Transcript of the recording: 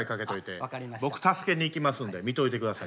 僕助けに行きますんで見といてください。